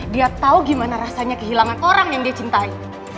dia tahu gimana rasanya kehilangan orang yang dia cintai